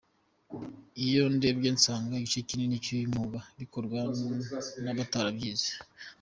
Iyo ndebye nsanga igice kinini cy’uyu mwuga gikorwa n’abatarabyize.